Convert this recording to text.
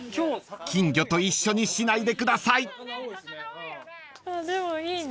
［金魚と一緒にしないでください］でもいいね。